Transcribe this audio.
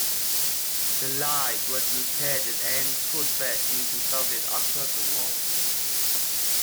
The light was repaired and put back into service after the war.